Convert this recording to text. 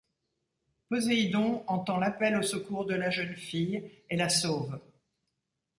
Poséidon entend l'appel au secours de la jeune fille et la sauve.